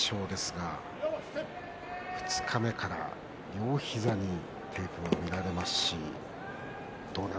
貴景勝は二日目から両膝にテープが見られます。